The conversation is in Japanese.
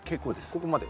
ここまで？